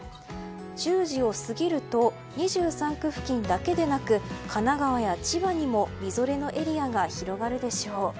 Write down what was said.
１０時を過ぎると２３区付近だけでなく神奈川や千葉にもみぞれのエリアが広がるでしょう。